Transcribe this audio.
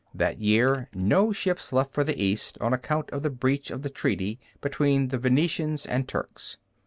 That year no ships left for the East, on account of the breach of the treaty between the Venetians and Turks.